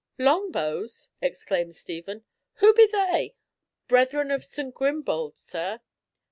"Long bows!" exclaimed Stephen. "Who be they?" "Brethren of St. Grimbald, sir.